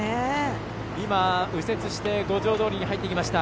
右折して五条通に入ってきました。